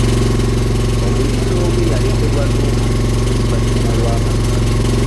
Omuyizi omu yalekebwa n'obulemu oluvannyuma lw'amataba.